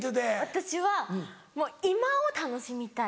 私はもう今を楽しみたい。